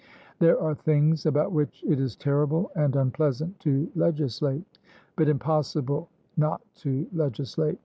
There are things about which it is terrible and unpleasant to legislate, but impossible not to legislate.